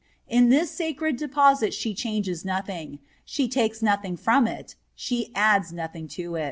In this sacred deposit she changes nothing, she takes nothing from it, she adds nothing to it."